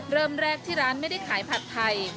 เริ่มแรกที่ร้านไม่ได้ขายผัดไทย